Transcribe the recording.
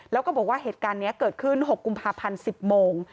แล้วก็บอกว่าเหตุการณ์นี้เกิดขึ้น๖กุมภาพันธ์๑๐โมง